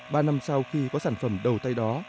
ba năm sau khi có sản phẩm đầu tay đó